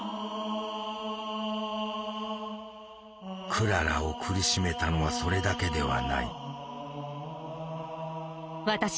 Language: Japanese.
クララを苦しめたのはそれだけではない。